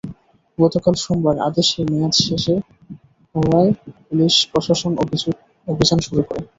গতকাল সোমবার আদেশের মেয়াদ শেষ হওয়ায় পুলিশ প্রশাসন অভিযান শুরু করে।